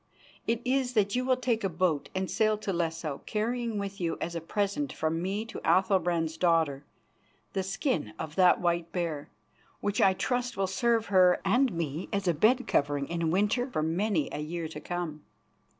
It is that you will take a boat and sail to Lesso, carrying with you as a present from me to Athalbrand's daughter the skin of that white bear, which I trust will serve her and me as a bed covering in winter for many a year to come.